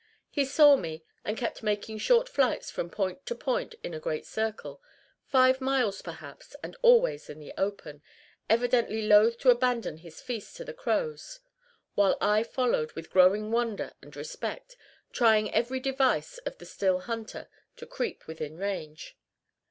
He saw me, and kept making short flights from point to point in a great circle five miles, perhaps, and always in the open evidently loath to abandon his feast to the crows; while I followed with growing wonder and respect, trying every device of the still hunter to creep within range.